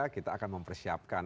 kita akan mempersiapkan